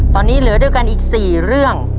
ตอนนี้เหลือด้วยกันอีก๔เรื่อง